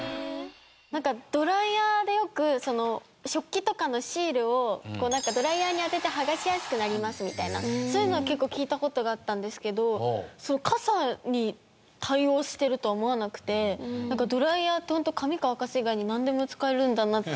なんかドライヤーでよく食器とかのシールをドライヤーに当てて剥がしやすくなりますみたいなそういうのは結構聞いた事があったんですけど傘に対応してるとは思わなくてドライヤーってホント髪乾かす以外になんでも使えるんだなって。